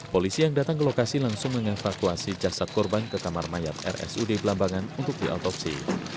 polisi yang datang ke lokasi langsung mengevakuasi jasad korban ke kamar mayat rsud belambangan untuk diotopsi